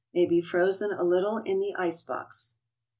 May be frozen a little in the ice box.